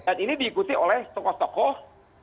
dan ini diikuti oleh tokoh tokoh